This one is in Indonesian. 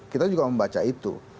kita juga membaca itu